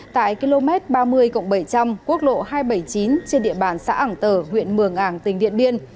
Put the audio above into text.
tại km ba mươi bảy trăm linh quốc lộ hai trăm bảy mươi chín trên địa bàn xã ảng tờ huyện mường ảng tỉnh điện biên